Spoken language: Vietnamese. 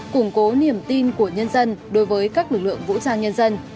củng cố niềm tin của nhân dân đối với các lực lượng vũ trang nhân dân